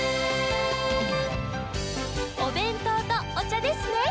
「おべんとうとおちゃですね